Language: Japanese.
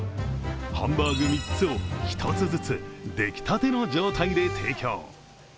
ハンバーグ３つを、１つずつ出来たての状態で提供。